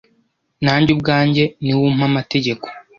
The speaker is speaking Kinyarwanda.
nanjye ubwanjye ni we umpa amategeko